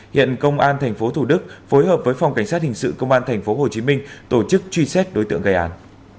hiện công an tp thủ đức phối hợp với phòng cảnh sát hình sự công an tp hcm tổ chức truy xét đối tượng gây án